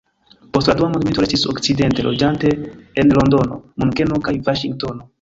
Post la dua mondmilito restis Okcidente, loĝante en Londono, Munkeno kaj Vaŝingtono.